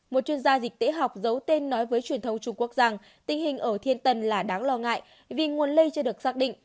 một chuyên gia dịch tễ học giấu tên nói với truyền thông trung quốc rằng tình hình ở thiên tân là đáng lo ngại vì nguồn lây chưa được xác định